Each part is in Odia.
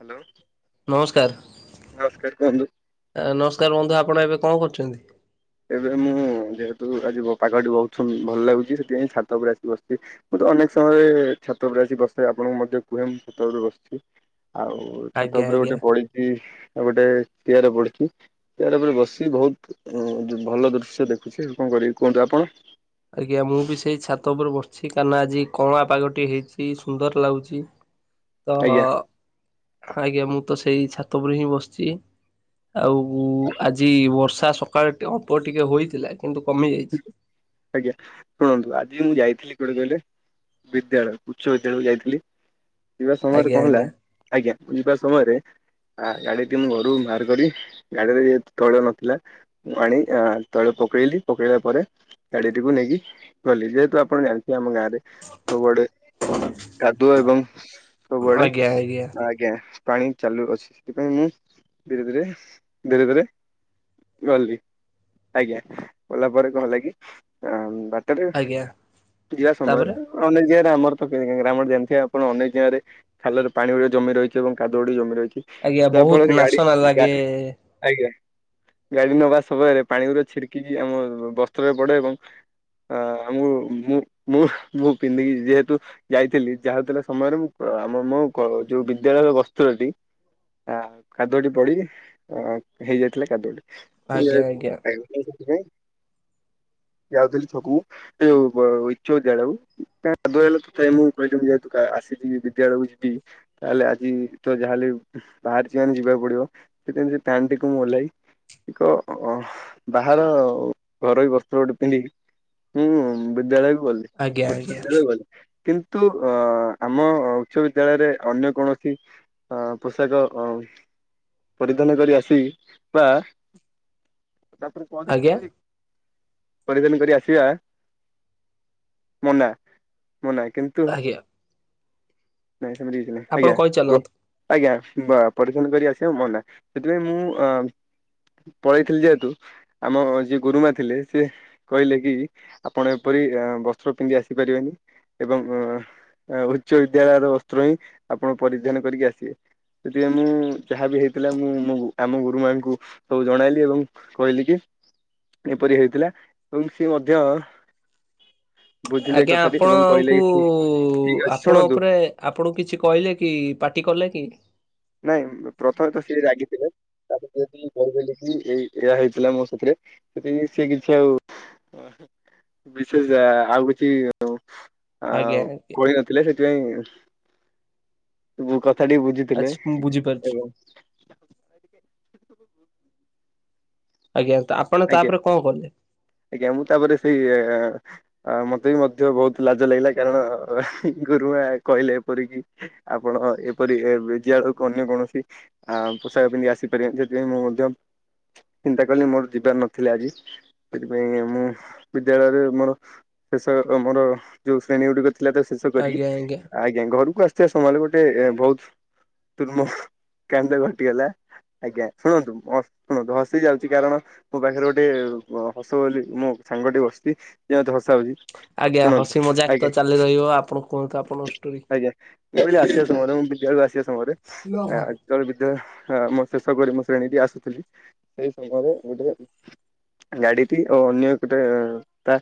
ହ୍ୟାଲୋ ନମସ୍କାର। ନମସ୍କାର କୁହନ୍ତୁ। ନମସ୍କାର ବନ୍ଧୁ ଆପଣ ଏବେ କଣ କରୁଛନ୍ତି? ଏବେ ମୁଁ ଯେହେତୁ ଆଜି ପାଗଟି ବହୁତ ଭଲ ଲାଗୁଚି, ସେଥିପାଇଁ ଛାତ ଉପରେ ଆସିି ବସି ମୁଁ ତ ଅନେକ ସମୟରେ ଛାତ ଉପରେ ଆସି ବସିଥାଏ ଆପଣଙ୍କୁ ମଧ୍ୟ କୁହେ ମୁଁ ଛାତ ଉପରେ ବସିଚି, ଆଉ ଛାତ ଆଜ୍ଞା ଉପରେ ଆଜ୍ଞା। ଗୋଟେ ପଡିଚି। ଆଉ ଗୋଟେ ଚେଆର ପଡିଚି, ଚେଆର ଉପରେ ବସି ବୋହୁତ ଭଲ ଦୃଶ୍ୟ ଦେଖୁଚି, କଣ କରିବି କୁହନ୍ତୁ ଆପଣ? ଆଜ୍ଞା ମୁଁ ବି ସେଇ ଛାତ ଉପରେ ବସିଚି, କାରଣ ଆଜି କଅଁଳା ପାଗ ଟିଏ ହେଇଛିି ସୁନ୍ଦର ଲାଗୁଚି। [inaudible] ତ ଆଜ୍ଞା ମୁଁ ତ ସେଇ ଛାତ ଉପରେ ହିଁ ବସିଚି। ଆଉ ଆଜି ବର୍ଷା ସକାଳେ ଟିକେ ଅଳ୍ପ ଟିକେ ହୋଇଥିଲା, କିନ୍ତୁ କମିଯାଇ ଆଜ୍ଞା ଶୁଣନ୍ତୁ ଆଜି ମୁଁ ଯାଇଥିଲି କୋଉଠି କହିଲେ? ବିଦ୍ୟାଳୟ ଉଚ୍ଚ ବିଦ୍ୟାଳୟକୁ ଯାଇଥିଲି, ଯିବା ସମୟରେ ଆଜ୍ଞା କଣ ହେଲା? ଆଜ୍ଞା ଯିବା ସମୟରେ ଆ ଗାଡିଟି ମୁଁ ଘରୁକୁ ବାହାର କରି ଗାଡିରେ ଯେହେତୁ ତୈଳ ନଥିଲା ମୁଁ ଆଣି ତୈଳ [unintelligible] ପକେଇଲା ପରେ ଗାଡିଟିକୁ ନେଇକି ଗଲି, ଯେହେତୁ ଆପଣ ଜାଣିଥିବେ ଆମ ଗାଁରେ ସବୁଆଡେ କାଦୁଅ ଏବଂ ସବୁଆଡେ ଆଜ୍ଞା ଆଜ୍ଞା ଆଜ୍ଞା ପାଣି ଚାଲୁ ଅଛି, ସେଥିପାଇଁ ମୁଁ ଧୀରେ ଧୀରେ ଧୀରେ ଧୀରେ ଗଲି ଆଜ୍ଞା। ଗଲା ପରେ କଣ ହେଲା କି ବାଟରେ ଆଜ୍ଞା ଯିବା ସମୟରେ ତାପରେ ଅନେକ ଜାଗାରେ ଆର କେମ ଗ୍ରାମରେ ଜାଣିଥିବ ଆପଣ ଅନେକ ଜାଗାରେ ଖାଲରେ ପାଣି ଗଟେ ଜମି ରହିଚି, ଏବଂ କାଦୁଅ ଜମି ରହିଚି, ଆଜ୍ଞା ଯାହା ବହୁତ ଫଳରେ ଗାଡି ନାସନା ଲାଗେ ଆଜ୍ଞା ଗାଡି ନବା ସମୟରେ ପାଣି ଗରେ ଛିଡିକିି ଆମ ବସ୍ତ୍ରରେ ପଡେ, ଏବଂ ଅ ମୁଁ ମୁଁ ମୁଁ ମୁଁ ପିନ୍ଧିକି ଯେହେତୁ ଯାଇଥିଲି ଯାହା ହଉଥିଲା ସମୟରେ ମୁଁ ଆମ ମୋ ଯୋଉ ବିଦ୍ୟାଳୟ ବସ୍ତ୍ରଟି ଆ କାଦୁଅଟି ପଡି ହେଇଯାଇଥିଲା କାଦୁଅଟି। ଆଜ୍ଞା ଏ ଆଜ୍ଞା। ତମେ ନାହିଁ ସଥିପାଇ। ଯାଉଥିଲି ଛକକୁ ଯୋଉ ଇଛ ବିଦ୍ୟାଳୟକୁ। [unintelligible] ଆସିବି ବିଦ୍ୟାଳୟକୁ ଯିବି ତାହେଲେ ଆଜି ତ ଯାହାେଲେ ବାହାରିଛି ମାନେ ଯିବାକୁ ପଡିବ ସେଥିପାଇଁ ସେ ପ୍ୟାଣ୍ କୁ ମୁଁ ଓହ୍ଲାଇ ଏକ ଅ। ବାହାର ଘରୋଇ ବସ୍ତ୍ର ଗୋଟେ ପିନ୍ଧିକି ମୁଁ ବିଦ୍ୟାଳୟକୁ ଆଜ୍ଞା ଗଲି। ଆଜ୍ଞା [unintelligible] କିନ୍ତୁ ଅ ଆମ ଉଚ୍ଚ ବିଦ୍ୟାଳୟରେ ଅନ୍ୟ କୌଣସି ଅ ପୋଷାକ ପରିଧାନ କରି ଆସି ବା ତାପରେ କହନ୍ତି ଆଜ୍ଞା ଫିଟେଇ କି ପରିଧାନ କରି ଆସିବା ମନା ମନା କିନ୍ତୁ ଆଜ୍ଞା। ନାଇଁ ସେମିତି କିଛି ନାଇ ଆପଣ ଆଜ୍ଞା। କହିଚାଲନ୍ତୁ। ଆଜ୍ଞା ପରିଚ୍ଛନ୍ନ କରି ଆସିବା ମନା ସେଥିପାଇଁ ମୁଁ ଅ ପଳେଇଥିଲି ଯେହେତୁ ଆମ ଯିଏ ଗୁରୁମା ଥିଲେ ସେ କହିଲେ କି ଆପଣ ଏପରି ବସ୍ତ୍ର ପିନ୍ଧି ଆସିପାରିବେନି ଏବଂ ଉଚ୍ଚ ବିଦ୍ୟାଳୟର ବସ୍ତ୍ର ହିଁ ଆପଣ ପରିଧାନ କରିକି ଆସିବେ। ସେଥିପାଇଁ ମୁଁ ଯାହା ବିି ହେଇଥିଲା ମୁଁ ମୋ ଆମ ଗୁରୁମାଙ୍କୁ ସବୁ ଜଣାଇଲି ଏବଂ କହିଲି କି ଏପରି ହେଇ ଥିଲା ଏବଂ ସିଏ ମଧ୍ୟ ବୁଝିଲେ ଏ ଆଜ୍ଞା କଥାଟି ଏବଂ କହିଲେ ଆପଣଙ୍କୁ କି ଠିକ ଠିକ ଅଛି ଆପଣ ଶୁଣନ୍ତୁ ଉପରେ ଆପଣଙ୍କୁ କିଛି କହିଲେ କି ପାର୍ଟି କଲେ କି? ନାଇଁ ପ୍ରଥମେ ତ ସିଏ ରାଗିଥିବେ? ତାପ ଯଦକି କହି କି ଏଇୟଆ ହେଇଥିଲା ମୋ ସାଥିରେ ସେଠି ସେ କିଛି ଆଉ ବିଶେଷ ଆଉ କିଛି ଆ ଆଜ୍ଞା ଆଜ୍ଞା କହି ନଥିଲେ ସେଥିପାଇଁ କଥା ଟିକେ ବୁଝିଥିଲେ। ଆଚ୍ଛା ମୁଁ ବୁଝିପାରୁଛି। ଏବଂ ଆଜ୍ଞା ତ ଆପଣ ଆଜ୍ଞା ତାପରେ କଣ କଲେ? ଆଜ୍ଞା ମୁଁ ତାପରେ ସେଇ ଆ ମତେ ବି ମଧ୍ୟ ବହୁତ ଲାଜ ଲାଗିଲା କାରଣ ଗୁରୁମା କହିଲେ ଏପରିକି ଆପଣ ଏପରି ବିଦ୍ୟାଳୟକୁ ଅନ୍ୟ କୌଣସି ଆ ପୋଷାକ ପିନ୍ଧି ଆସିପାରିବେନି ସେଥିପାଇଁ ମୁଁ ମଧ୍ୟ ଚିନ୍ତା କଲି ମୋର ଯିବାର ନଥିଲା ଆଜି। ସେଥିପାଇଁ ମୁଁ ବିଦ୍ୟାଳୟରେ ମୋର ଶେଷ ଆମର ଯୋଉ ଶ୍ରେଣୀ ଗୁଡିକ ଥିଲା ତା ଶେଷ ଆଜ୍ଞା କରିକି ଆଜ୍ଞା ଆ ୟାଙ୍କ ଘରକୁ ଆସଥିବା ସମୟରେ ଗୋଟେ ବହୁତ ତୁର୍ମ କାଣ୍ଡ ଘଟିଗଲା ଆଜ୍ଞା ଶୁଣନ୍ତୁ, ଶୁଣନ୍ତୁ ହସି ଯାଉଛି କାରଣ ମୋ ପାଖରେ ଗୋଟେ ହସ ବୋଲି ମୋ ସାଙ୍ଗ ଟିକ ବସିଛି ଯେ ମତେ ହସାଉଛି। ଆଜ୍ଞା ଶୁଣନ୍ତୁ ହସି ମଜାକ ଆଜ୍ଞା ତ ଚାଲି ରହିବ ଆପଣ କୁହନ୍ତୁ ଆପଣଙ୍କ ଷ୍ଟୋରି। ଆଜ୍ଞା। ମୁଁ କହିଲି ଆସିବା ସମୟରେ ବିଦ୍ୟାଳୟ ଆସିବା ସମୟରେ ଆଜ୍ଞା ସେତେବେଳେ ବିଦ୍ୟାଳୟ ଶେଷ କରି ମୋ ଶ୍ରେଣୀକି ଆସୁଥିଲି ସେଇ ସମୟରେ ଗୋଟେ ଗାଡିଟି ଓ ଅନ୍ୟ ଗୋଟେ ତା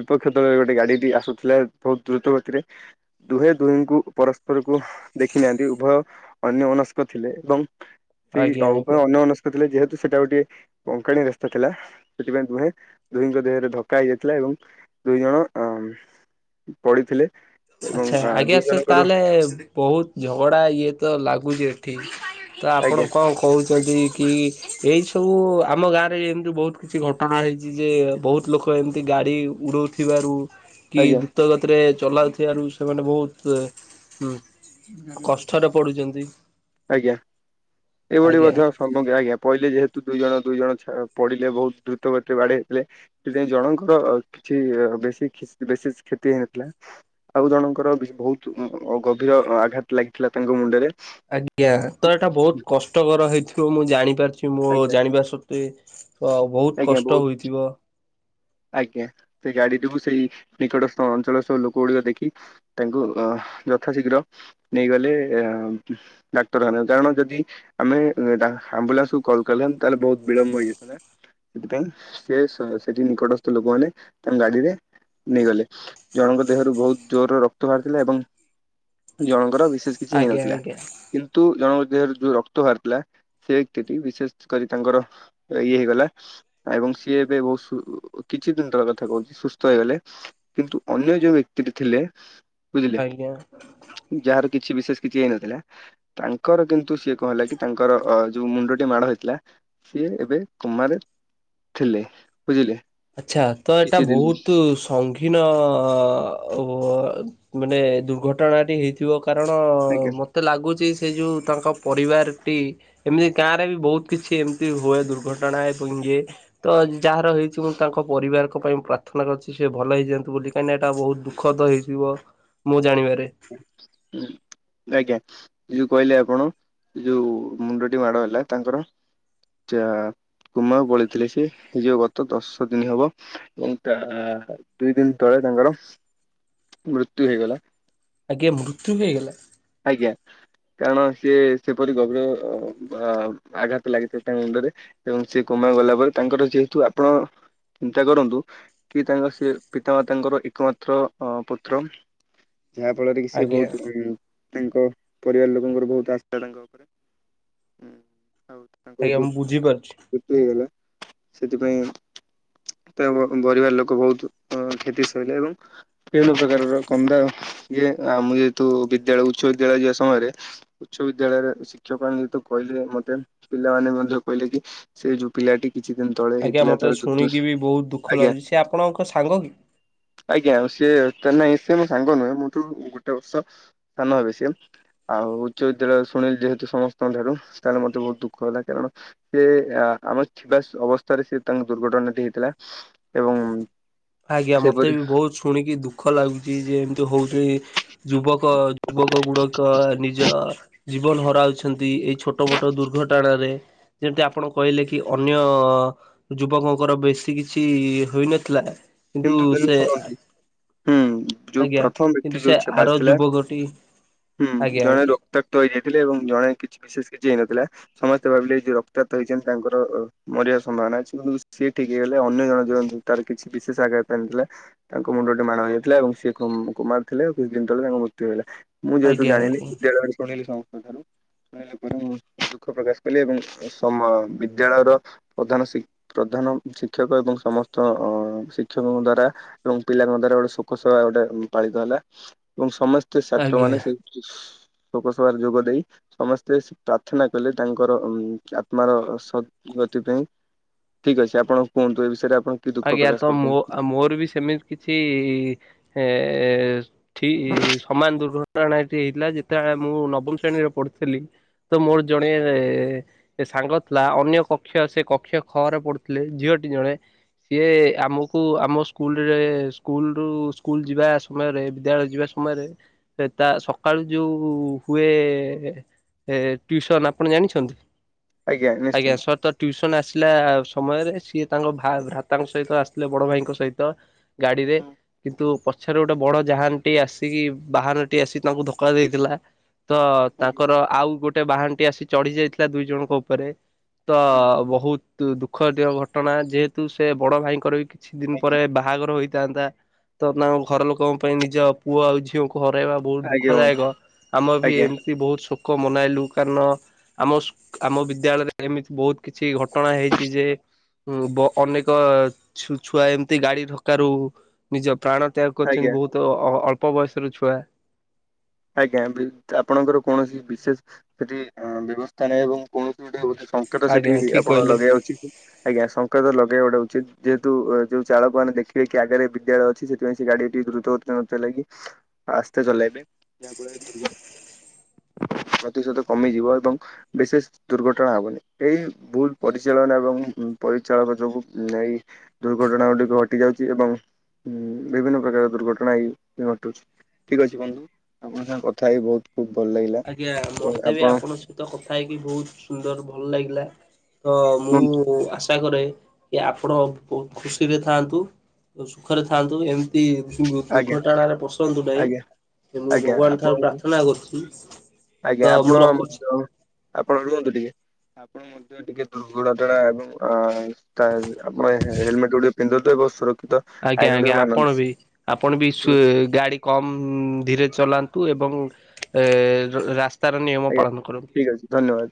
ବିପକ୍ଷ ଦଳରେ ଗୋଟେ ଗାଡିଟି ଆସୁଥିଲେ ବହୁତ ଦ୍ରୁତ ଗତିରେ ଦୁହେଁ ଦୁହିଁଙ୍କୁ ପରସ୍ପରକୁ ଦେଖି ନାହାନ୍ତି ଉଭୟ ଅନ୍ୟମନସ୍କ ଥିଲେ ଏବଂ ସେଇ ଉପରେ ଆଜ୍ଞା। ଅନ୍ୟମନସ୍କ ଥିଲେ ଯେହେତୁ ସେଟା ଗୋଟେ ବଙ୍କାଣି ରା ଥିଲା ସେଥିପାଇଁ ଦୁହେଁ ଦୁହିଁଙ୍କ ଦେହରେ ଧକ୍କା ହେଇଯାଇଥିଲା ଏବଂ ଦୁହିଜଣ ପଡିଥିଲେ। ଆଚ୍ଛା ଆଜ୍ଞା ଦୁଇ ସେ ଜଣଙ୍କର ତାହେଲେ ବୋହୁତ ଝଗଡ଼ା ଇଏତ ଲାଗୁଚି ଏଠି ତ ଆପଣ ଆଜ୍ଞା କଣ କୋହୁଚନ୍ତି କି ଏଇ ସବୁ ଆମ ଗାଁରେ ଏମତି ବୋହୁତ କିଛି ଘଟଣା ହେଇଛି ଯେ ବୋହୁତ ଲୋକ ଏମତି ଗାଡ଼ି ଉଡ଼ୋଉଥିବାରୁ କି ଆଜ୍ଞା ଦ୍ରୁତଗତିରେ ଚଲାଉ ଥିବାରୁ ସେମାନେ ବୋହୁତ ଏ ଉଁ କଷ୍ଟରେ ପଡୁଚନ୍ତି। ଆଜ୍ଞା ଏଇଭଳି ମଧ୍ୟ ଆଜ୍ଞା ପଇଲେ ଯେହେତୁ ଦୁଇଜଣ ଦୁଇଜଣ ଛା ପଡିଲେ ବୋହୁତ ଦ୍ରୁତ ଗତିରେ ବାଡେଇ ହେଇଥିଲେ। ସେଥିପାଇଁ ଜଣଙ୍କର ଅ କିଛି ବେଶୀ ଖିସ୍ ବିଶେଷ କ୍ଷତି ହେଇନଥିଲା। ଆଉ ଜଣଙ୍କର ଭି ବୋହୁତ ଅଁ ଅ ଗଭୀର ଆଘାତ ଲାଗିଥିଲା ତାଙ୍କ ମୁଣ୍ଡରେ। ଆଜ୍ଞା ତ ଏଟା ବୋହୁତ କଷ୍ଟକର ହେଇଥିବ ମୁଁ ଜାଣିପାରଚି ମୋ ଆଜ୍ଞା ଜାଣିବା ଶ କ୍ତି ତ ବୋହୁତ ଆଜ୍ଞା ବହୁତ କଷ୍ଟ ହୋଇଥିବ। ଆଜ୍ଞା ସେଇ ଗାଡିଡିକୁ ସେଇ ନିକଟସ୍ଥ ଅଞ୍ଚଳର ସବୁ ଲୋକଗୁଡିକ ଦେଖି ତାଙ୍କୁ ଅ ଯଥାଶୀଘ୍ର ନେଇଗଲେ ଆ ଡାକ୍ତରଖାନାରେ କାରଣ ଯଦି ଆମେ ଡା ଆମ୍ବୁଲାନ୍ସକୁ କଲ [unintelligible] ତାହେଲେ ବୋହୁତ ବିଳମ୍ବ ହେଇଯାଇଥାନ୍ତା। ସେଥିପାଇଁ ସେ ସ ସେଠି ନିକଟସ୍ଥ ଲୋକମାନେ ତାଙ୍କ ଗାଡିରେ ନେଇଗଲେ ଜଣଙ୍କ ଦେହରୁ ବୋହୁତ ଜୋରରେ ରକ୍ତ ବାହାରୁଥିଲା ଏବଂ ଜଣଙ୍କର ଭି ବିଶେଷ କିଛି ଆଜ୍ଞା ହେଇନଥିଲା। ଆଜ୍ଞା କିନ୍ତୁ ଜଣଙ୍କ ଦେହରେ ଯୋଉ ରକ୍ତ ବାହାରୁଥିଲା ସେ ରକ୍ତିଟି ବିଶେଷ କରି ତାଙ୍କର ଅ ଇଏ ହେଇଗଲା ଏବଂ ସିଏ ଏବେ ବୋହୁତ ସୁ କିଛି ଦିନ ତଳକଥା କୋହୁଚି ସୁସ୍ଥ ହେଇଗଲେ କିନ୍ତୁ ଅନ୍ୟ ଯୋଉ ବ୍ୟକ୍ତିଟି ଥିଲେ ବୁଝିଲେ ଆଜ୍ଞା। ଯାହାର କିଛି ବିଶେଷ କିଛି ହେଇନଥିଲା। ତାଙ୍କର କିନ୍ତୁ ସିଏ କଣ ହେଲାକି ତାଙ୍କର ଅ ଯୋଉ ମୁଣ୍ଡଟି ମାଡ ହେଇଥିଲା ସିଏ ଏବେ କୋମାରେ ଥିଲେ ବୁଝିଲେ। ଆଚ୍ଛା ତ ଏଟା କିଛି ଦିନ ବୋହୁତୁ ସୁ ସଂଙ୍ଗୀନ ଅ ମାନେ ଦୁର୍ଘଟଣାଟି ହେଇଥି ଥିବ କାରଣ ଆଜ୍ଞା ମତେ ଲାଗୁଚି ସେଇ ଯୋଉ ତାଙ୍କ ପରିବାରଟି ଏମିତି ଗାଁରେ ବି ବୋହୁତ କିଛି ଏମତି ହୁଏ ଦୁର୍ଘଟଣା ଏବଂ ଇଏ ତ ଯାହାର ହେଇ ଚି ଏବଂ ମୁଁ ତାଙ୍କ ପରିବାରଙ୍କ ପାଇଁ ପ୍ରାର୍ଥନା କରଚି ସିଏ ଭଲ ହେଇଯାଆନ୍ତୁ ବୋଲି କାହିଁକିନା ଏଇଟା ବୋହୁତ ଦୁଃଖଦ ହେଇଥିବ। ମୁଁ ଜାଣିବାରେ ହୁଁ। ଆଜ୍ଞା ଯୋଉ କହିଲେ ଆପଣ ଯୋଉ ମୁଣ୍ଡଟି ମାଡ ହେଲା ତାଙ୍କର ଯା କୋମାକୁ ପଳେଇଥିଲେ ସିଏ ଯୋଉ ଗତ ଦଶଦିନ ହବ ଏବଂ ତା ଦୁଇ ଦିନ ତଳେ ତାଙ୍କର ମୃତ୍ୟୁ ହେଇଗଲା। ଆଜ୍ଞା ମୃତ୍ୟୁ ହେଇଗଲା। ଆଜ୍ଞା। କାରଣ ସିଏ ସେପରି ଗଭୀର ବା ଆଘାତ ଲାଗିଥିଲା ତାଙ୍କ ମୁଣ୍ଡରେ। ଏବଂ ସେ କମାକୁ ଗଲା ପରେ ତାଙ୍କର ଯେହେତୁ ଆପଣ ଚିନ୍ତା କରନ୍ତୁ କି ତାଙ୍କ ସିଏ ପିତା ମାତାଙ୍କର ଏକମାତ୍ର ଅ ପୁତ୍ର ଯାହା ଫଳରେ କି ସିଏ ଆଜ୍ଞା ବୋହୁତ ତାଙ୍କ ପରିବାର ଲୋକଙ୍କର ବବହୁତ ଆଶା ତାଙ୍କ ଓପରେ ହୁଁ ଆଉ ତାଙ୍କର ଆଜ୍ଞା ଯୋଉ ମୁଁ ବୁଝିପାରୁଚି। ମୃତ୍ୟୁ ହେଇଗଲା ସେଥିପାଇଁ ତାଙ୍କ ବ ପରିବାର ଲୋକ ବୋହୁତ ଅ କ୍ଷତି ସହିଲେ ଏବଂ ବିଭିନ୍ନ ପ୍ରକାରର କନ୍ଦା ଇଏ ଆମ ଯେହେତୁ ବିଦ୍ୟାଳୟ ଉଚ୍ଚ ବିଦ୍ୟାଳୟ ଯିବା ସମୟରେ ଉଚ୍ଚ ବିଦ୍ୟାଳୟରେ ଶିକ୍ଷକମାନେ ଯେହେତୁ କହିଲେ ମତେ ପିଲାମାନେ ମଧ୍ୟ କହିଲେ କି ସେଇ ଯୋଉ ପିଲାଟି କିଛି ଦିନ ତଳେ ଆଜ୍ଞା ହେଇଥିଲା ମତେ ତାର ଦୁର୍ଦ୍ଦଶା ଶୁଣିକି ବି ବୋହୁତ ଦୁଃଖ ଆଜ୍ଞା ଲାଗୁଚି ସିଏ ଆପଣଙ୍କ ସାଙ୍ଗ କି? ଆଜ୍ଞା ସିଏ ତ ନାଇଁ ସିଏ ମୋ ସାଙ୍ଗ ନୁହେଁ ମୋଠୁ ଗୋଟେ ବର୍ଷ ସାନ ହେବେ ସିଏ। ଆଉ ଉଚ୍ଚ ବିଦ୍ୟାଳୟ ଶୁଣିଲି ଯେହେତୁ ସମସ୍ତଙ୍କ ଠାରୁ ତାହେଲେ ମତେ ବୋହୁତ ଦୁଃଖ ହେଲା କାରଣ ସେ ଆମର ଥିବା ଅବସ୍ଥାରେ ସେ ତାଙ୍କ ଦୁର୍ଘଟଣାଟି ହେଇଥିଲା ଏବଂ ଆଜ୍ଞା ମତେ ସେପରି ବି ବହୁତ ଶୁଣିକି ଦୁଃଖ ଲାଗୁଛି ଯେ ଏମିତି ହଉଛି। ଯୁବକ ଯୁବକ ଗୁଡକ ନିଜ ଜୀବନ ହରାଉଛି। ଏଇ ଛୋଟ ମୋଟ ଦୁର୍ଘଟଣାରେ ଯେମିତି ଆପଣ କହିଲେ କି ଅନ୍ୟ ଯୁବକଙ୍କର ବେଶୀ କିଛି ହୋଇନଥିଲା। କିନ୍ତୁ [inaudible] ଶୁଣନ୍ତୁ? ହୁଁ ଯୋଉ ଆଜ୍ଞା ପ୍ରଥମ କିନ୍ତୁ ବ୍ୟକ୍ତି ସେ ଯୋଉ ଛେପ ଆର ଆସିଥିଲା ଯୁବକଟି ହୁଁ ଆଜ୍ଞା ଜଣେ ଆଜ୍ଞା ରକ୍ତାକ୍ତ ହେଇଯାଇଥିଲେ ଏବଂ ଜଣେ କିଛି ବିଶେଷ କିଛି ହେଇନଥିଲା ତ ସମସ୍ତେ ଭାବିଲେ ଯୋଉ ରକ୍ତାତ ହେଇଛନ୍ତି ତାଙ୍କର ମରିବାର ସମ୍ଭାବନା ଅଛି କିନ୍ତୁ ସିଏ ଠିକ ହେଇଗଲେ ଅନ୍ୟ ଜଣେ ଜ ଯିଅନ୍ତୁ। ତାର କିଛି ବିଶେଷ ଆଘାତ ଆଣିଥିଲା। ତାଙ୍କ ମୁଣ୍ଡଟା ମାଡ ହେଇଥିଲା ଏବଂ ସିଏ କୋମାରୁଥିଲେ କିଛି ଦିନ ତଳେ ତାଙ୍କ ମୃତ୍ୟୁ ହୋଇଗଲା। ମୁଁ ଯେହେତୁ ଆଜ୍ଞା ଜାଣିଲି ଆଜ୍ଞା ବିଦ୍ୟାଳୟରେ ଶୁଣିଲି ସମସ୍ତଙ୍କଠାରୁ ମୁଁ ଦୁଃଖ ପ୍ରକାଶ କଲି ଏବଂ ସମ ବିଦ୍ୟାଳୟର ପ୍ରଧାନ ସି ପ୍ରଧାନ ଶିକ୍ଷକ ଏବଂ ସମସ୍ତ ଅ ଶିକ୍ଷକଙ୍କ ଦ୍ଵାରା ଏବଂ ପିଲାଙ୍କ ଦ୍ଵାରା ଗୋଟେ ଶୋକସଭା ଗୋଟେ ପାଳିତ ହେଲା ଏବଂ ସମସ୍ତେ ଛାତ୍ର ଆଜ୍ଞା ମାନେ ସେ ଲୋକସଭାରେ ଯୋଗ ଦେଇ ସମସ୍ତେ ପ୍ରାର୍ଥନା କଲେ ତାଙ୍କର ଆତ୍ମାର ସଦ୍ଗତି ପାଇଁ ଠିକ ଅଛି ଆପଣ କୁହନ୍ତୁ ଏ ବିଷୟରେ ଆପଣ କି ଦୁଃଖ ପ୍ରକାଶ ହଁ ମୋ କରୁଛନ୍ତି? ମୋର ବି ସେମିତି କିଛି ଏ ଠିକ ସମାନ ଦୁର୍ଘଟଣା ହେଇଥିଲା ଯେତେବେଳେ ମୁଁ ନବମ ଶ୍ରେଣୀରେ ପଢୁଥିଲି। ତ ମୋର ଜଣେ ସାଙ୍ଗ ଥିଲା ଅନ୍ୟ କକ୍ଷ ସେ କକ୍ଷ ଖରେ ପଢ଼ୁଥିଲେ ଝିଅଟି ଜଣେ ସିଏ ଆମକୁ ଆମ ସ୍କୁଲରେ ସ୍କୁଲ ରୁ ସ୍କୁଲ ଯିବା ସମୟରେ ବିଦ୍ୟାଳୟ ଯିବା ସମୟରେ ତା ସକାଳୁ ଯୋଉ ହୁଏ ଏ ଟ୍ୟୁସନ ଆପଣ ଜାଣିଛନ୍ତି? ଆଜ୍ଞା ସ ତ ଟ୍ୟୁସନ ଆସିଲା ସମୟରେ ସିଏ ତାଙ୍କ ଭା ଭା ତାଙ୍କ ସହିତ ଆସିଥିଲେ ବଡ ଭାଇଙ୍କ ସହିତ ଗାଡିରେ କିନ୍ତୁ ପଛରେ ଗୋଟେ ବଡ ଜାହାନ ଟି ଆସିକି ବାହାନ ଟି ଆସିିକି ତାଙ୍କୁ ଧୋକା ଦେଇଥିଲା। ତ ଆଜ୍ଞା ତାଙ୍କର ଆଉ ଗୋଟେ ବାହାନ ଟି ଆସି ଚଢି ଯାଇଥିଲା ଦୁଇ ଜଣଙ୍କ ଉପରେ ତ ହଁ ବହୁତ ଦୁଃଖଦିୟ ଘଟଣା ଯେହେତୁ ସେ ବଡ଼ ଭାଇଙ୍କର ବି କିଛି ଦିନ ଆଜ୍ଞା ପରେ ବାହାଘର ହୋଇ ଥାନ୍ତା ତ ତାଙ୍କ ଘର ଲୋକଙ୍କ ପାଇଁ ନିଜ ପୁଅ ଆଉ ଝିଅଙ୍କୁ ହରାଇବା ବହୁତ ଆଜ୍ଞା ବନ୍ଧୁ, ଦୁଃଖଦାୟକ ଆମେ ବି ଆଜ୍ଞା ଏମିତି ବହୁତ ଶୋକ ମନାଇଲୁ କାରଣ ଆମ ଆମ ବିଦ୍ୟାଳୟରେ ଏମିତି ବହୁତ କିଛି ଘଟଣା ହେଇଛି ଯେ ଅନେକ ଛୁ ଛୁଆ ଏମିତି ଗାଡି ଧକାରୁ ନିଜ ପ୍ରାଣ ତ୍ୟାଗ ଆଜ୍ଞା କରିୁଛନ୍ତି ବହୁତ ତ ଅଳ୍ପ ବୟସର ଛୁଆ ଆଜ୍ଞା ଆପଣଙ୍କର କୌଣସି ବିଶେଷ ସେଠି ବ୍ୟବସ୍ଥା ନାହିଁ ଏବଂ କୌଣସି ଗୋଟେ ସଙ୍କେତ ସେଠି ଆଜ୍ଞା ଠିକ ଆପଣ କହିଲେ। ଲଗେଇବା ଉଚିତ୍। ଆଜ୍ଞା ସଂଙ୍କେତ ଲଗେଇବା ଗୋଟେ ଉଚିତ୍ ଯେହେତୁ ଯୋଉ ଚାଳକ ମାନେ ଦେଖିବେ କି ଆଗରେ ବିଦ୍ୟାଳୟ ଅଛି ସେ ସେଥିପାଇଁ ସେ ଗାଡିଟି ଦ୍ରୁତ ନଥିଲାଗି ଆସ୍ତେ ଚଲେଇବେ ଯାହାଫଳରେ ଦୁର୍ଘଟ ପ୍ରତିଶତ କମିଯିବ ଏବଂ ବିଶେଷ ଦୁର୍ଘଟଣା ହବନି ଏଇ ଭୁଲ ପରିଚାଳନା ଏବଂ ପରିଚାଳକ ଯୋଗୁ ଏଇ ଦୁର୍ଘଟଣା ଗୁଡିକ ଘଟି ଯାଉଛି ଏବଂ ଉଁ ବିଭିନ୍ନ ପ୍ରକାର ଦୁର୍ଘଟଣା ଏଇ ଘଟୁଛି। ଠିକ ଅଛି ବନ୍ଧୁ ଆପଣଙ୍କ ସାଙ୍ଗ କଥା ହେଇ ବହୁତ ଭଲ ଲାଗିଲା ଏବଂ ଆପଣ ତ କଥା ହେଇକି ବହୁତ ସୁନ୍ଦର ଭଲ ଲାଗିଲା ତ ମୁଁ କୁହନ୍ତୁ ଆସ ଚେଷ୍ଟା କରେ କି, ଆପଣ ବହୁତ ଖୁସିରେ ଥାଆନ୍ତୁ। ସୁଖରେ ଥାଆନ୍ତୁ ଏମ ଆଜ୍ଞା ଦୁର୍ଘଟଣାରେ ପଶନ୍ତୁ ନାହିଁ। ଆଜ୍ଞା ମୁଁ ଆଜ୍ଞା ଭଗବାନ ଠାରୁ ଆପଣଙ୍କୁ ପ୍ରାର୍ଥନା କରୁଛି। ତ ଆଜ୍ଞା। ମୁଁ ଆପଣ ରଖୁଛି। ମଧ୍ୟ। ଆପଣ ରୁହନ୍ତୁ ଟିକେ। ଆଣ ମଧ୍ୟ, ଟିକେ ଦୁର୍ଘଟଟଣା। ଏବଂ ଅ ତା ଆପଣ ହେଲମେଟ ଗୁଡେ ପିନ୍ଧନ୍ତୁ। ଏବଂ ସୁରକ୍ଷିତ ଆଜ୍ଞା ଆଇନ ଗୁଡ଼ିକ ଆଜ୍ଞା ଆପଣ ମାନନ୍ତୁ। ବି। ଆପଣ ବି ଶୁ ଗାଡି କମ ଧୀରେ ଚଲାନ୍ତୁ ଏବଂ ଏ ର ରାସ୍ତାର ନିୟମ ଆଜ୍ଞା ପାଳନ କରନ୍ତୁ। ଠିକ୍ ଅଛି ଧନ୍ୟବାଦ